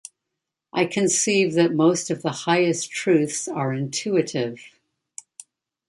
I conceive that most of the highest truths are intuitive.